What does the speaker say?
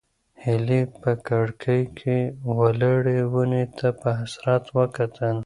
هیلې په کړکۍ کې ولاړې ونې ته په حسرت وکتل.